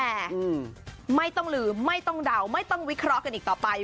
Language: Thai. แต่ไม่ต้องลืมไม่ต้องเดาไม่ต้องวิเคราะห์กันอีกต่อไป